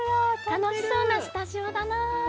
「楽しそうなスタジオだな」。